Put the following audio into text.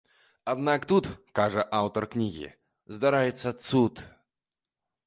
Аднак тут, кажа аўтар кнігі, здараецца цуд.